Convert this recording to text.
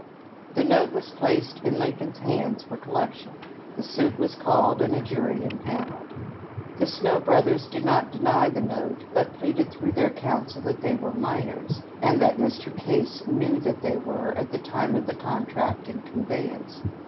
The note was placed in Lincoln's hands for collection. The suit was called and a jury im panelled. The Snow Bros, did not deny the note, but pleaded through their counsel that they were minors, and that Mr. Case knew they were at the time of the contract and convey ance.